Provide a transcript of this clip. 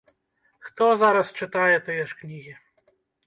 Хто зараз чытае тыя ж кнігі?